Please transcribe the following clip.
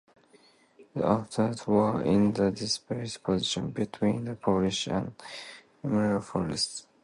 The Ottomans were in a desperate position, between the Polish and Imperial forces.